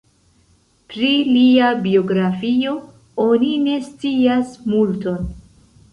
Pri lia biografio oni ne scias multon.